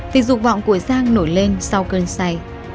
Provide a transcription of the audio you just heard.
thì rục vọng của giang nổi lên sau cơn say